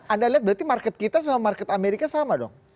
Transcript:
anda lihat berarti market kita sama market amerika sama dong